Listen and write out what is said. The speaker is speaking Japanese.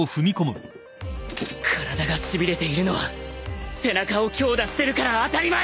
体がしびれているのは背中を強打してるから当たり前